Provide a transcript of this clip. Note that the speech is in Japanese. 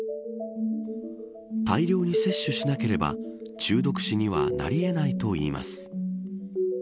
大量に摂取しなければ中毒死にはなりえないといいます。